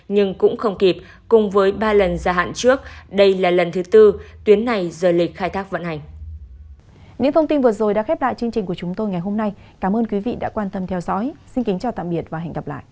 nhưng cũng không kịp cùng với ba lần gia hạn trước đây là lần thứ tư tuyến này rời lịch khai thác vận hành